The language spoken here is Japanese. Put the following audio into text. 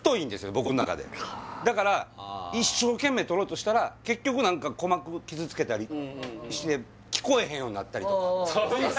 僕の中でだから一生懸命取ろうとしたら結局何か鼓膜を傷つけたりして聞こえへんようなったりとか